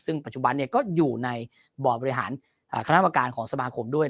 ซึ่งปัจจุบันก็อยู่ในบ่อบริหารคณะกรรมการของสมาคมด้วย